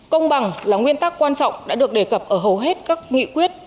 công bằng là nguyên tắc quan trọng đã được đề cập ở hầu hết các nghị quyết